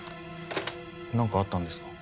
なんかあったんですか？